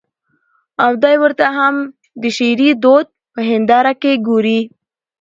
او دى ورته هم د شعري دود په هېنداره کې ګوري.